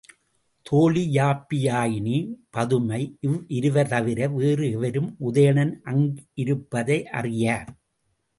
தோழி யாப்பியாயினி, பதுமை இவ்விருவர் தவிர வேறு எவரும் உதயணன் அங்கிருப்பதை அறியார்.